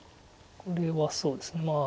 これはそうですね。